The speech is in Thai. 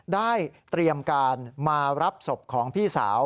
ได้เตรียมการมารับศพของพี่สาว